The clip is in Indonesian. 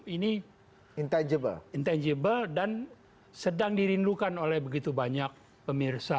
ini intangible dan sedang dirindukan oleh begitu banyak pemirsa